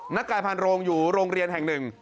นักกายพันโรงอยู่โรงเรียนแห่งหนึ่ง